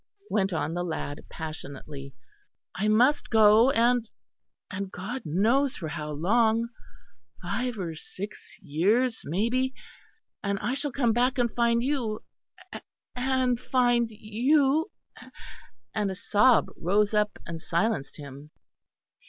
went on the lad passionately, "I must go; and and God knows for how long, five or six years maybe; and I shall come back and find you and find you " and a sob rose up and silenced him.